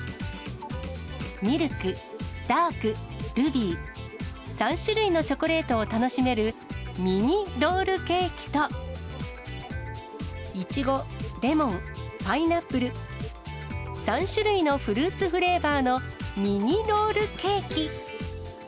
ミルク、ダーク、ルビー、３種類のチョコレートを楽しめるミニロールケーキと、イチゴ、レモン、パイナップル、３種類のフルーツフレーバーのミニロールケーキ。